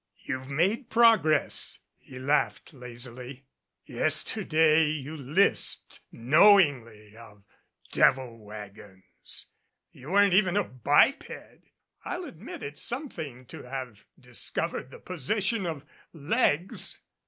"You've made progress," he laughed lazily. "Yester day you lisped knowingly of devil wagons. You weren't even a biped. I'll admit it's something to have discovered the possession of legs."